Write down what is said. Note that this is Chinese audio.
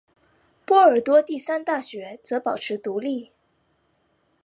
波尔多第三大学则保持独立。